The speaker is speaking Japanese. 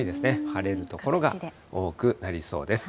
晴れる所が多くなりそうです。